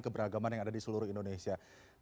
keberagaman yang ada di seluruh indonesia